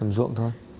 làm ruộng thôi